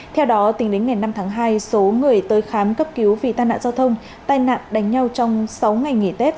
theo đó tính đến ngày năm tháng hai số người tới khám cấp cứu vì tai nạn giao thông tai nạn đánh nhau trong sáu ngày nghỉ tết